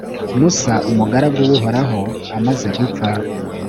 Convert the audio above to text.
musa, umugaragu w’uhoraho maze arapfa,